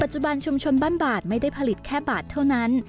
จุบันชุมชนบ้านบาดไม่ได้ผลิตแค่บาทเท่านั้น